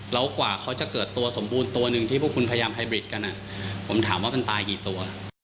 แล้วกว่าเขาจะเกิดตัวสมบูรณ์ตัวหนึ่งที่พวกคุณพยายามไฮบริดกันผมถามว่ามันตายกี่ตัว